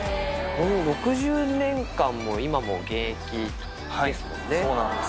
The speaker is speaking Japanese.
６０年間も、今も現役ですもそうなんです。